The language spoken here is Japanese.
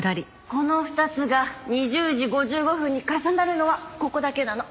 この２つが２０時５５分に重なるのはここだけなの。